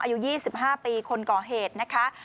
อายุ๒๕ปีคนก่อเหตุนะคะ